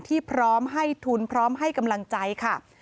พร้อมให้ทุนพร้อมให้กำลังใจค่ะ